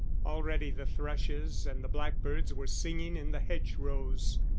Already the thrushes and the blackbirds were singing in the hedge rows.